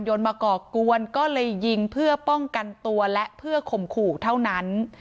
มาก่อกวนก็เลยยิงเพื่อป้องกันตัวและเพื่อข่มขู่เท่านั้น